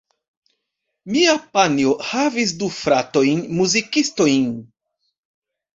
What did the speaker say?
Mia panjo havis du fratojn muzikistojn.